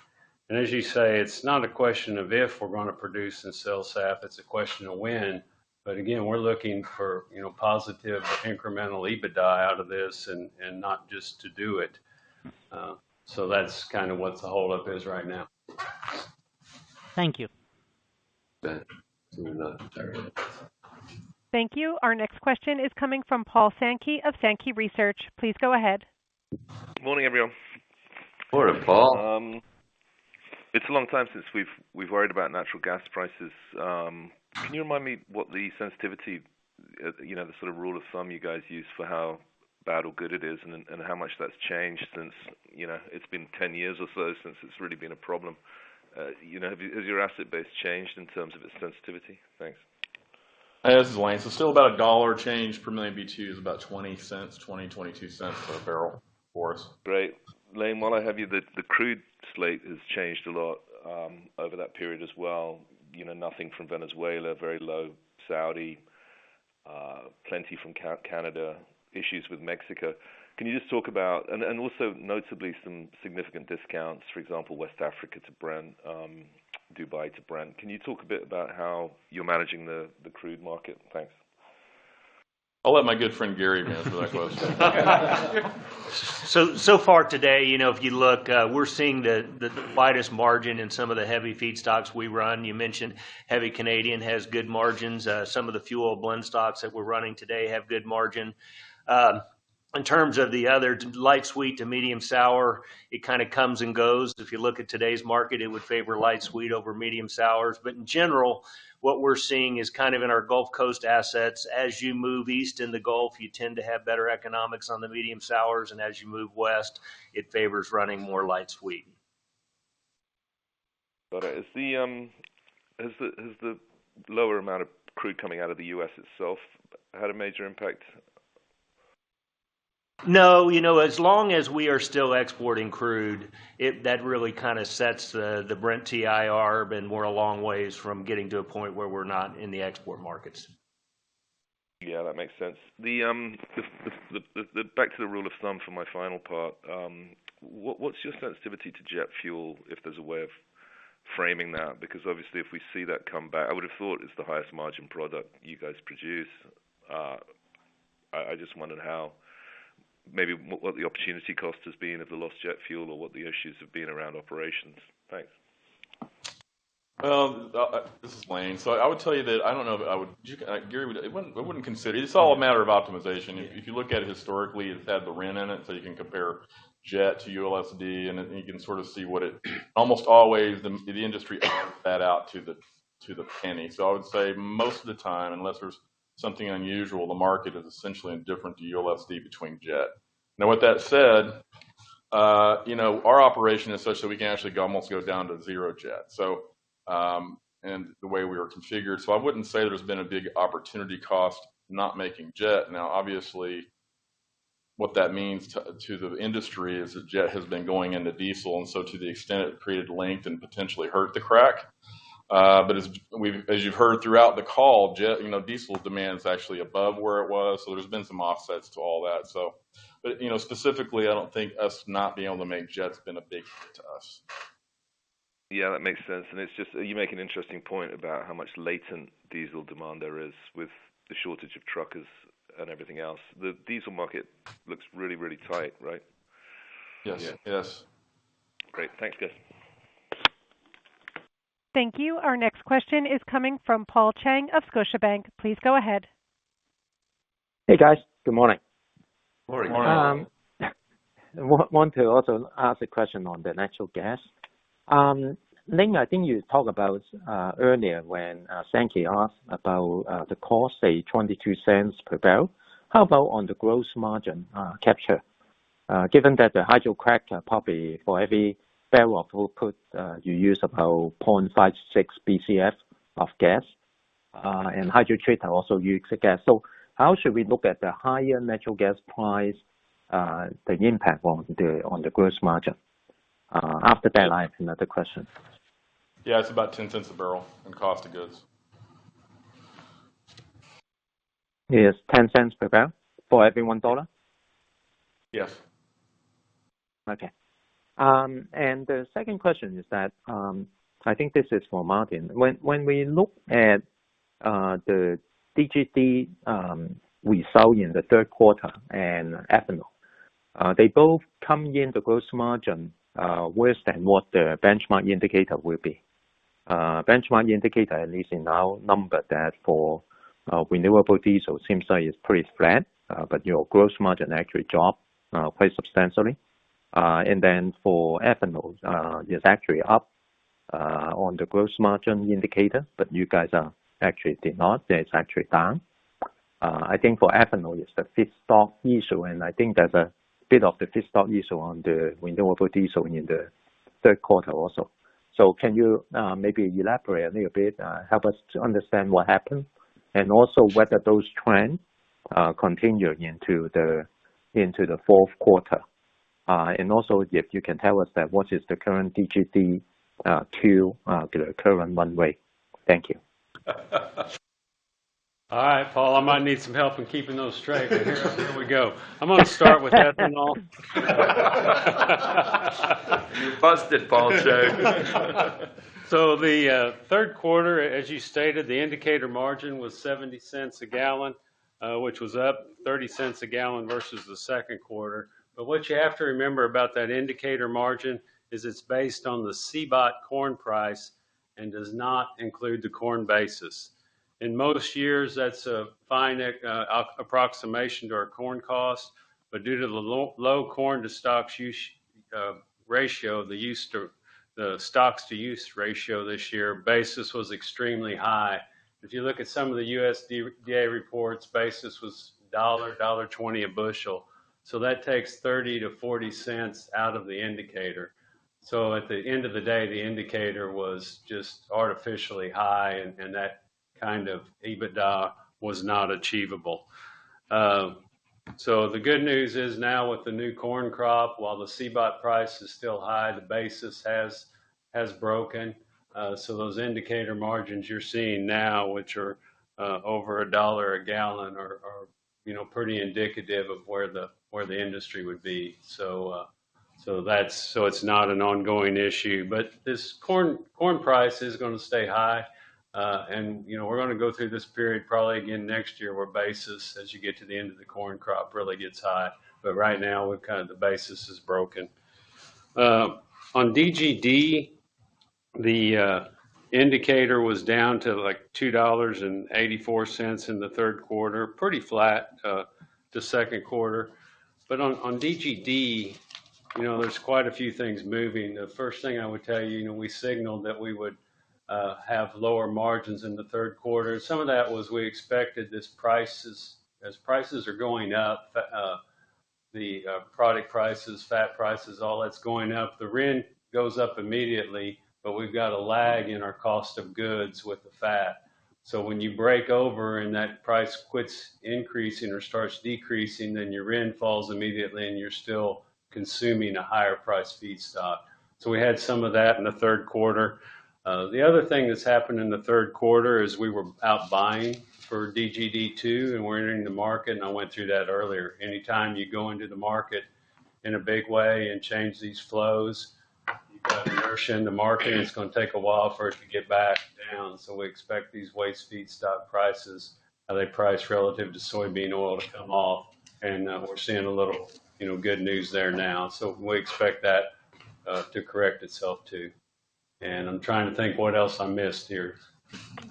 As you say, it's not a question of if we're going to produce and sell SAF, it's a question of when. Again, we're looking for positive incremental EBITDA out of this and not just to do it. That's what the hold up is right now. Thank you. That seems not very helpful. Thank you. Our next question is coming from Paul Sankey of Sankey Research. Please go ahead. Good morning, everyone. Morning, Paul. It's a long time since we've worried about natural gas prices. Can you remind me what the sensitivity, the sort of rule of thumb you guys use for how bad or good it is and how much that's changed since it's been 10 years or so since it's really been a problem? Has your asset base changed in terms of its sensitivity? Thanks. This is Lane. Still about a $1 change per million BTU is about $0.20, $0.20, $0.22 per barrel for us. Great. Lane, while I have you, the crude slate has changed a lot over that period as well. Nothing from Venezuela, very low Saudi, plenty from Canada, issues with Mexico. And also notably some significant discounts. For example, West Africa to Brent, Dubai to Brent. Can you talk a bit about how you're managing the crude market? Thanks. I'll let my good friend Gary answer that question. Far today, if you look, we're seeing the widest margin in some of the heavy feedstocks we run. You mentioned heavy Canadian has good margins. Some of the fuel blend stocks that we're running today have good margin. In terms of the other light sweet to medium sour, it kind of comes and goes. If you look at today's market, it would favor light sweet over medium sours. In general, what we're seeing is kind of in our Gulf Coast assets, as you move east in the Gulf, you tend to have better economics on the medium sours, and as you move west, it favors running more light sweet. Got it. Has the lower amount of crude coming out of the U.S. itself had a major impact? As long as we are still exporting crude, that really sets the Brent TI arb, but we're a long ways from getting to a point where we're not in the export markets. Yeah, that makes sense. Back to the rule of thumb for my final part. What's your sensitivity to jet fuel, if there's a way of framing that? Obviously if we see that come back, I would've thought it's the highest margin product you guys produce. I just wondered maybe what the opportunity cost has been of the lost jet fuel or what the issues have been around operations. Thanks. This is Lane. I would tell you that I don't know. Gary, I wouldn't consider. It's all a matter of optimization. Yeah. If you look at it historically, it's had the RIN in it, so you can compare jet to ULSD. Almost always, the industry irons that out to the penny. I would say most of the time, unless there's something unusual, the market is essentially indifferent to ULSD between jet. With that said, our operation is such that we can actually almost go down to zero jet, and the way we were configured. I wouldn't say there's been a big opportunity cost not making jet. Obviously, what that means to the industry is that jet has been going into diesel, and so to the extent it created length and potentially hurt the crack. As you've heard throughout the call, diesel demand is actually above where it was, so there's been some offsets to all that. Specifically, I don't think us not being able to make jet's been a big hit to us. Yeah, that makes sense. You make an interesting point about how much latent diesel demand there is with the shortage of truckers and everything else. The diesel market looks really tight, right? Yes. Yes. Great. Thanks, guys. Thank you. Our next question is coming from Paul Cheng of Scotiabank. Please go ahead. Hey, guys. Good morning. Morning. Morning. Want to also ask a question on the natural gas. Lane, I think you talked about earlier when Sankey asked about the cost, say $0.22 per barrel. How about on the gross margin capture? Given that the hydrocracker probably for every barrel of output you use about 0.56 MCF of gas, and hydrotreater also uses gas. How should we look at the higher natural gas price, the impact on the gross margin? After that, I have another question. Yeah, it's about $0.10 a barrel in cost of goods. Yes, $0.10 per barrel for every $1? Yes. Okay. The second question is that, I think this is for Martin. When we look at the DGD we saw in the third quarter and ethanol, they both come in the gross margin worse than what the benchmark indicator will be. Benchmark indicator, at least in our number, that for renewable diesel, it seems like it's pretty flat. Your gross margin actually dropped quite substantially. For ethanol, it's actually up on the gross margin indicator, but you guys actually did not. That's actually down. I think for ethanol it's a feedstock issue, and I think there's a bit of the feedstock issue on the renewable diesel in the third quarter also. Can you maybe elaborate a little bit, help us to understand what happened? Also whether those trends continued into the fourth quarter. Also if you can tell us that what is the current DGD 2 current run rate. Thank you. All right, Paul, I might need some help in keeping those straight. Here we go. I'm going to start with ethanol. You're busted, Paul Cheng. The third quarter, as you stated, the indicator margin was $0.70 a gallon, which was up $0.30 a gallon versus the second quarter. What you have to remember about that indicator margin is it's based on the CBOT corn price and does not include the corn basis. In most years, that's a fine approximation to our corn cost, but due to the low corn to stocks ratio, the stocks to use ratio this year, basis was extremely high. If you look at some of the USDA reports, basis was $1, $1.20 a bushel. That takes $0.30-$0.40 out of the indicator. At the end of the day, the indicator was just artificially high, and that kind of EBITDA was not achievable. The good news is now with the new corn crop, while the CBOT price is still high, the basis has broken. Those indicator margins you're seeing now, which are over $1 a gallon are pretty indicative of where the industry would be. It's not an ongoing issue. This corn price is going to stay high. We're going to go through this period probably again next year where basis, as you get to the end of the corn crop, really gets high. Right now, the basis is broken. On DGD, the indicator was down to $2.84 in the third quarter, pretty flat the second quarter. On DGD, there's quite a few things moving. The first thing I would tell you, we signaled that we would have lower margins in the third quarter. Some of that was we expected as prices are going up, the product prices, fat prices, all that's going up. The RIN goes up immediately, but we've got a lag in our cost of goods with the fat. When you break over and that price quits increasing or starts decreasing, then your RIN falls immediately, and you're still consuming a higher price feedstock. We had some of that in the third quarter. The other thing that's happened in the third quarter is we were out buying for DGD 2 and we're entering the market, and I went through that earlier. Anytime you go into the market in a big way and change these flows, you've got inertia in the market, and it's going to take a while for it to get back down. We expect these waste feedstock prices, how they price relative to soybean oil, to come off. We're seeing a little good news there now. We expect that to correct itself too. I'm trying to think what else I missed here.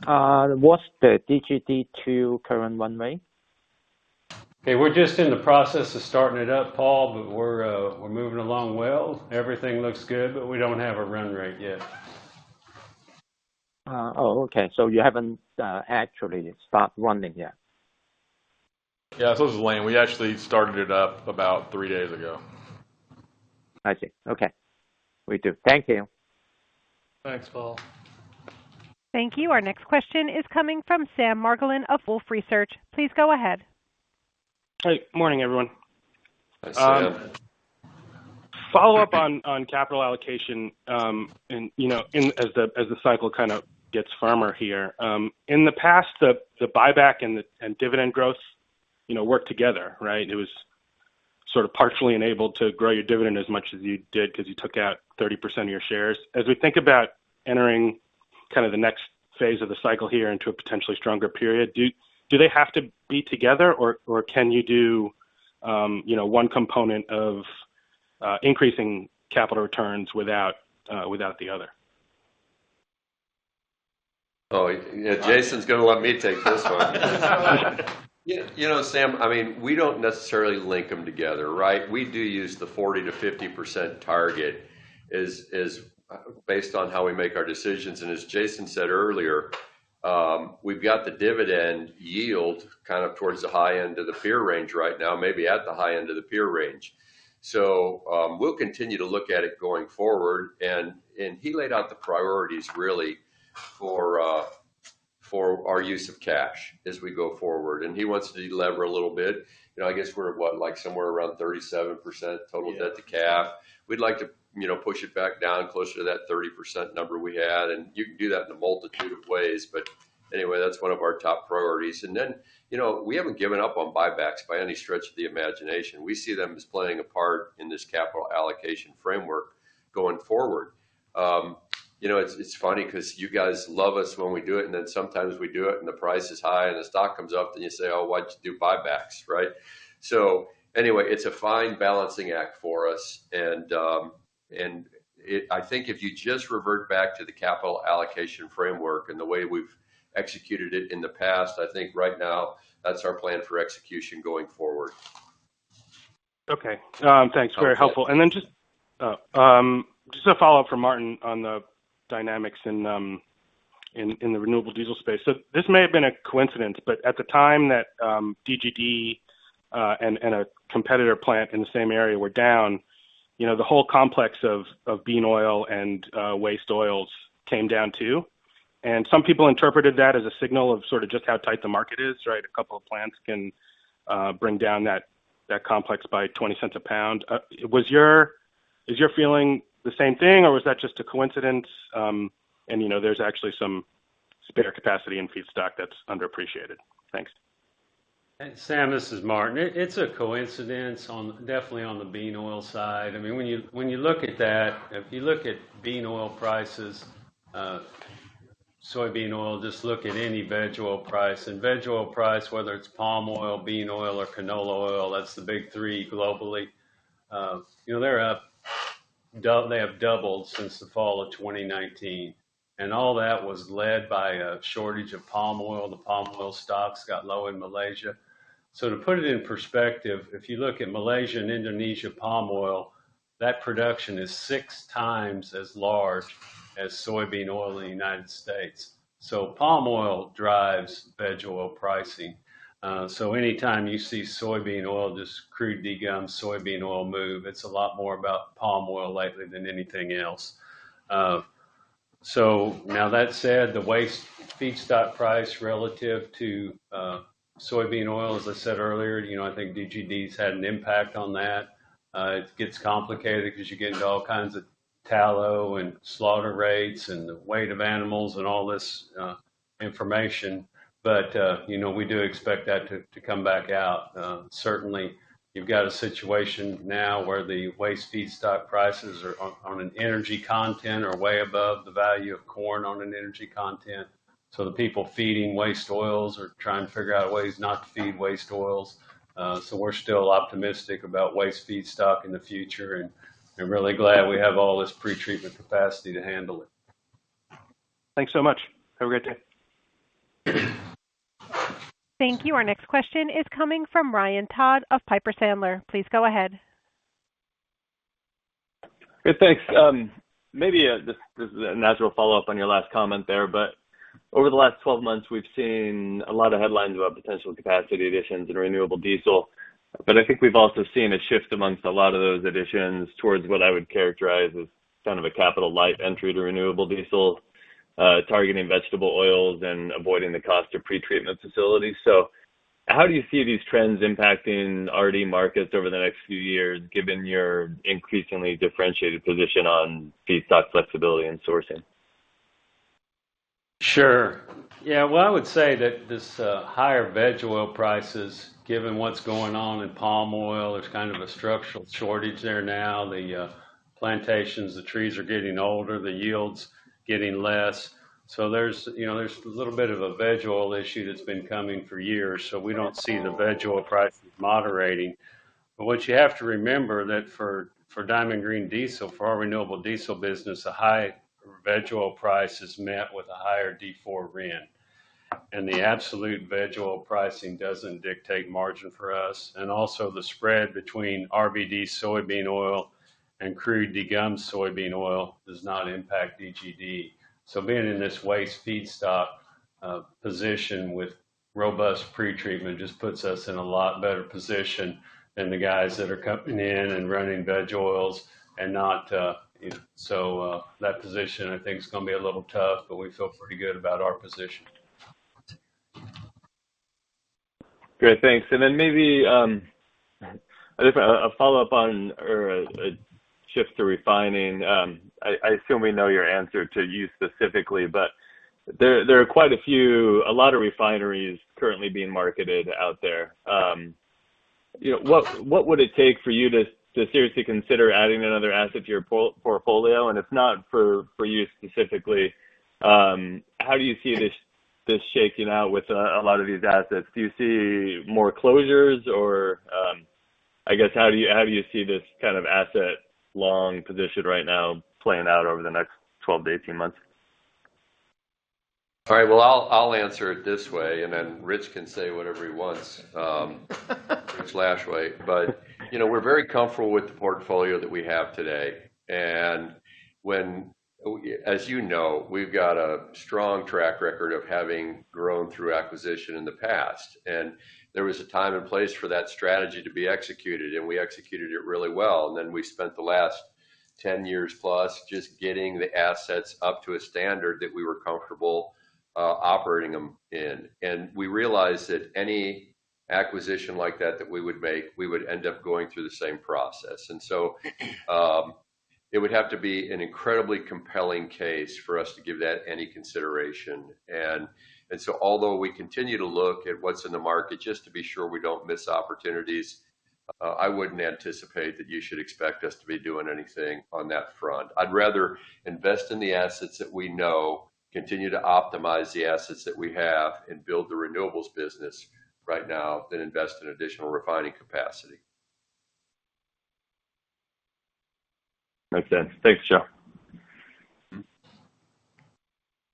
What's the DGD 2 current run rate? Okay, we're just in the process of starting it up, Paul, but we're moving along well. Everything looks good, but we don't have a run rate yet. Oh, okay. You haven't actually start running yet? Yeah. This is Lane. We actually started it up about three days ago. I see. Okay. Will do. Thank you. Thanks, Paul. Thank you. Our next question is coming from Sam Margolin of Wolfe Research. Please go ahead. Hey. Morning, everyone. Hi, Sam. Follow-up on capital allocation. As the cycle kind of gets firmer here. In the past, the buyback and dividend growth worked together, right? It was sort of partially enabled to grow your dividend as much as you did because you took out 30% of your shares. As we think about entering kind of the next phase of the cycle here into a potentially stronger period, do they have to be together or can you do one component of increasing capital returns without the other? Jason's gonna let me take this one. Sam, we don't necessarily link them together, right? We do use the 40%-50% target based on how we make our decisions. As Jason said earlier. We've got the dividend yield towards the high end of the peer range right now, maybe at the high end of the peer range. We'll continue to look at it going forward. He laid out the priorities really for our use of cash as we go forward. He wants to delever a little bit. I guess we're, what? Somewhere around 37% total debt to cap. Yeah. We'd like to push it back down closer to that 30% number we had, and you can do that in a multitude of ways. Anyway, that's one of our top priorities. Then, we haven't given up on buybacks by any stretch of the imagination. We see them as playing a part in this capital allocation framework going forward. It's funny because you guys love us when we do it, and then sometimes we do it and the price is high and the stock comes up, then you say, "Oh, why'd you do buybacks?" Right? Anyway, it's a fine balancing act for us, and I think if you just revert back to the capital allocation framework and the way we've executed it in the past, I think right now, that's our plan for execution going forward. Okay. Thanks. Very helpful. Just a follow-up from Martin on the dynamics in the renewable diesel space. This may have been a coincidence, but at the time that DGD and a competitor plant in the same area were down, the whole complex of bean oil and waste oils came down, too. Some people interpreted that as a signal of sort of just how tight the market is, right? A couple of plants can bring down that complex by $0.20 a pound. Is your feeling the same thing or was that just a coincidence, and there's actually some spare capacity in feedstock that's underappreciated? Thanks. Sam, this is Martin. It's a coincidence definitely on the bean oil side. When you look at that, if you look at bean oil prices, soybean oil, just look at any veg oil price. Veg oil price, whether it's palm oil, bean oil, or canola oil, that's the big three globally. They have doubled since the fall of 2019, and all that was led by a shortage of palm oil. The palm oil stocks got low in Malaysia. To put it in perspective, if you look at Malaysia and Indonesia palm oil, that production is 6x as large as soybean oil in the United States. Palm oil drives veg oil pricing. Anytime you see soybean oil, just crude degummed soybean oil move, it's a lot more about palm oil likely than anything else. Now that said, the waste feedstock price relative to soybean oil, as I said earlier, I think DGD's had an impact on that. It gets complicated because you get into all kinds of tallow and slaughter rates and the weight of animals and all this information. We do expect that to come back out. Certainly, you've got a situation now where the waste feedstock prices are on an energy content or way above the value of corn on an energy content. The people feeding waste oils are trying to figure out ways not to feed waste oils. We're still optimistic about waste feedstock in the future, and we're really glad we have all this pretreatment capacity to handle it. Thanks so much. Have a great day. Thank you. Our next question is coming from Ryan Todd of Piper Sandler. Please go ahead. Good, thanks. Maybe this is a natural follow-up on your last comment there. Over the last 12 months, we've seen a lot of headlines about potential capacity additions in renewable diesel. I think we've also seen a shift amongst a lot of those additions towards what I would characterize as kind of a capital light entry to renewable diesel, targeting vegetable oils and avoiding the cost of pretreatment facilities. How do you see these trends impacting RD markets over the next few years, given your increasingly differentiated position on feedstock flexibility and sourcing? Sure. Yeah. Well, I would say that this higher veg oil prices, given what's going on in palm oil, there's kind of a structural shortage there now. The plantations, the trees are getting older, the yield's getting less. There's a little bit of a veg oil issue that's been coming for years, so we don't see the veg oil prices moderating. What you have to remember that for Diamond Green Diesel, for our renewable diesel business, a high veg oil price is met with a higher D4 RIN, and the absolute veg oil pricing doesn't dictate margin for us. Also, the spread between RBD soybean oil and crude degummed soybean oil does not impact DGD. Being in this waste feedstock position with robust pretreatment just puts us in a lot better position than the guys that are coming in and running veg oils and not. That position I think is going to be a little tough, but we feel pretty good about our position. Great. Thanks. Maybe a different follow-up on or a shift to refining. I assume we know your answer to you specifically, there are quite a few, a lot of refineries currently being marketed out there. What would it take for you to seriously consider adding another asset to your portfolio? If not for you specifically, how do you see this shaking out with a lot of these assets? Do you see more closures or, I guess, how do you see this kind of asset long position right now playing out over the next 12 to 18 months? All right. Well, I'll answer it this way, and then Rich can say whatever he wants. Rich Lashway. We're very comfortable with the portfolio that we have today. As you know, we've got a strong track record of having grown through acquisition in the past, and there was a time and place for that strategy to be executed, and we executed it really well. We spent the last 10+ years just getting the assets up to a standard that we were comfortable operating them in. We realized that any acquisition like that we would make, we would end up going through the same process. It would have to be an incredibly compelling case for us to give that any consideration. Although we continue to look at what's in the market, just to be sure we don't miss opportunities, I wouldn't anticipate that you should expect us to be doing anything on that front. I'd rather invest in the assets that we know, continue to optimize the assets that we have, and build the renewables business right now than invest in additional refining capacity. Okay. Thanks, Joe.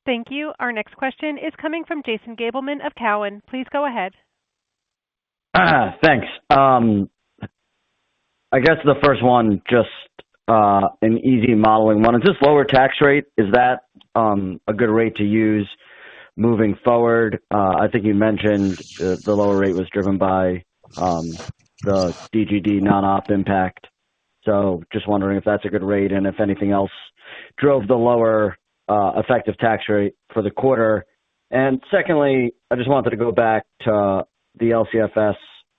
Thank you. Our next question is coming from Jason Gabelman of Cowen. Please go ahead. Thanks. I guess the first one, just an easy modeling one. Is this lower tax rate, is that a good rate to use moving forward? I think you mentioned the lower rate was driven by the DGD non-op impact. Just wondering if that's a good rate, and if anything else drove the lower effective tax rate for the quarter. Secondly, I just wanted to go back to the LCFS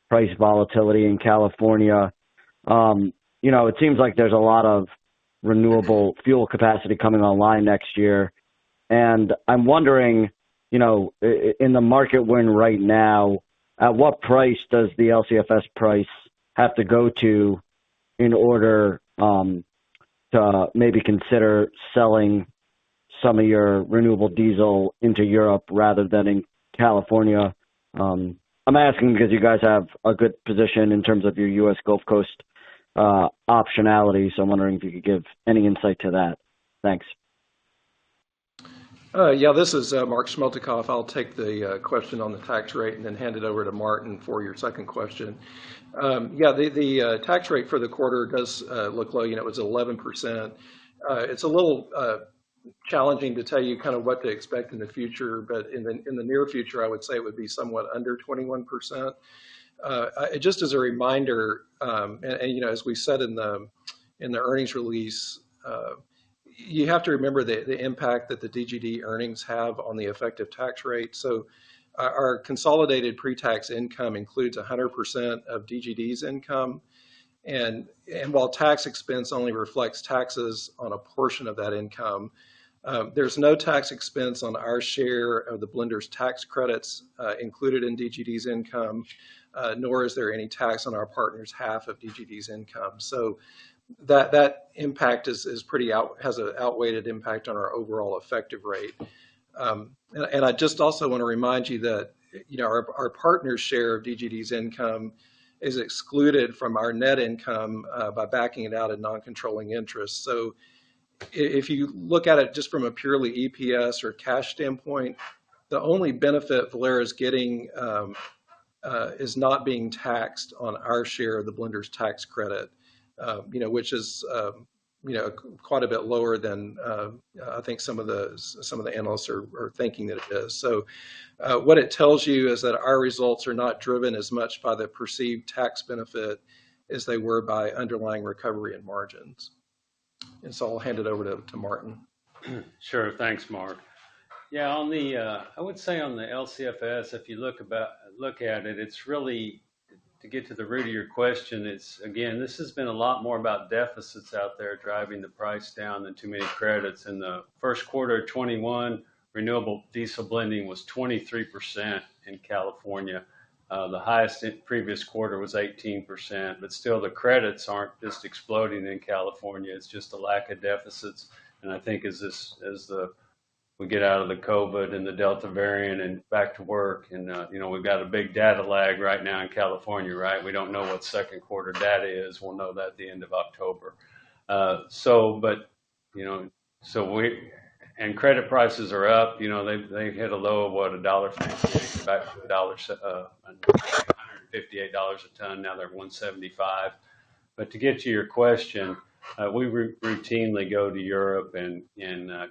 price volatility in California. It seems like there's a lot of renewable fuel capacity coming online next year, and I'm wondering, in the market we're in right now, at what price does the LCFS price have to go to in order to maybe consider selling some of your renewable diesel into Europe rather than in California? I'm asking because you guys have a good position in terms of your U.S. Gulf Coast optionality. I'm wondering if you could give any insight to that. Thanks. This is Mark Schmeltekopf. I'll take the question on the tax rate and then hand it over to Martin for your second question. The tax rate for the quarter does look low. It was 11%. It's a little challenging to tell you what to expect in the future, but in the near future, I would say it would be somewhat under 21%. Just as a reminder, as we said in the earnings release, you have to remember the impact that the DGD earnings have on the effective tax rate. Our consolidated pre-tax income includes 100% of DGD's income. While tax expense only reflects taxes on a portion of that income, there's no tax expense on our share of the blenders' tax credits included in DGD's income. Nor is there any tax on our partners' half of DGD's income. That impact has an outweighed impact on our overall effective rate. I just also want to remind you that our partners' share of DGD's income is excluded from our net income by backing it out in non-controlling interests. If you look at it just from a purely EPS or cash standpoint, the only benefit Valero's getting is not being taxed on our share of the blenders' tax credit, which is quite a bit lower than I think some of the analysts are thinking that it is. What it tells you is that our results are not driven as much by the perceived tax benefit as they were by underlying recovery and margins. I'll hand it over to Martin. Sure. Thanks, Mark. I would say on the LCFS, if you look at it, to get to the root of your question, this has been a lot more about deficits out there driving the price down than too many credits. In the first quarter of 2021, renewable diesel blending was 23% in California. The highest in previous quarter was 18%, still, the credits aren't just exploding in California. It's just a lack of deficits. I think as we get out of the COVID and the Delta variant and back to work, we've got a big data lag right now in California, right? We don't know what second quarter data is. We'll know that at the end of October. Credit prices are up. They hit a low of what? $158 a ton, now they're $175. To get to your question, we routinely go to Europe and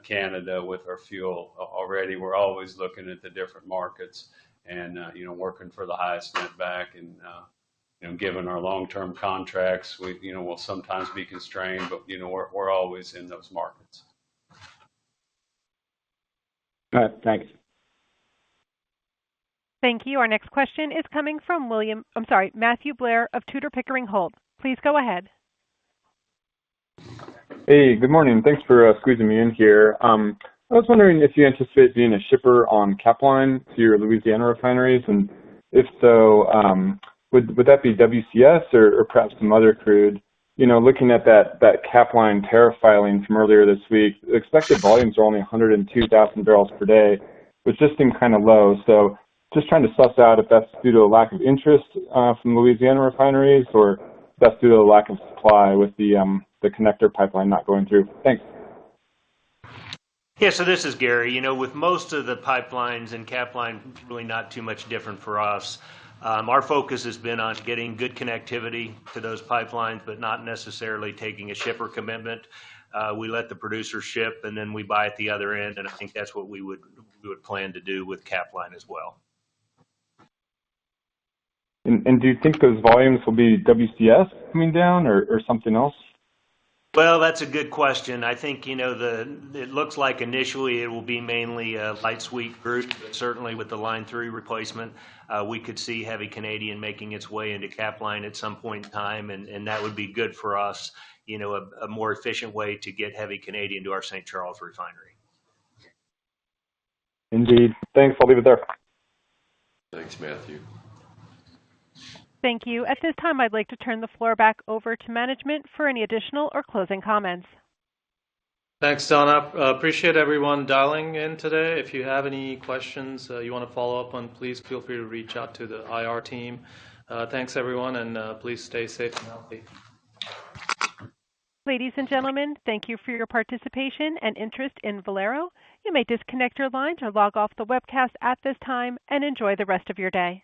Canada with our fuel already. We're always looking at the different markets and working for the highest net back and given our long-term contracts, we'll sometimes be constrained, but we're always in those markets. All right. Thanks. Thank you. Our next question is coming from William I'm sorry, Matthew Blair of Tudor, Pickering Holt. Please go ahead. Good morning. Thanks for squeezing me in here. I was wondering if you anticipate being a shipper on Capline to your Louisiana refineries. If so, would that be WCS or perhaps some other crude? Looking at that Capline tariff filing from earlier this week, expected volumes are only 102,000 barrels per day, which just seemed kind of low. Just trying to suss out if that's due to a lack of interest from Louisiana refineries or if that's due to a lack of supply with the connector pipeline not going through. Thanks. Yeah. This is Gary. With most of the pipelines, and Capline is really not too much different for us, our focus has been on getting good connectivity to those pipelines, but not necessarily taking a shipper commitment. We let the producer ship, and then we buy at the other end, and I think that's what we would plan to do with Capline as well. Do you think those volumes will be WCS coming down or something else? Well, that's a good question. I think it looks like initially it will be mainly a light sweet crude, but certainly with the Line 3 replacement, we could see heavy Canadian making its way into Capline at some point in time, and that would be good for us. A more efficient way to get heavy Canadian to our St. Charles refinery. Indeed. Thanks. I'll leave it there. Thanks, Matthew. Thank you. At this time, I'd like to turn the floor back over to management for any additional or closing comments. Thanks, Dana. Appreciate everyone dialing in today. If you have any questions you want to follow up on, please feel free to reach out to the IR team. Thanks, everyone, and please stay safe and healthy. Ladies and gentlemen, thank you for your participation and interest in Valero. You may disconnect your line or log off the webcast at this time, and enjoy the rest of your day.